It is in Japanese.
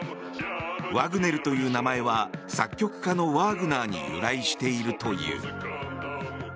ワグネルという名前は作曲家のワーグナーに由来しているという。